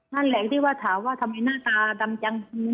นั่นแหละที่ถามว่าทำไมหน้าตาดำจังทำไมหน้าตาเป็นอย่างนี้